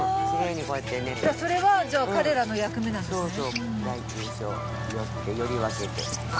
それはじゃあ彼らの役目なんですね。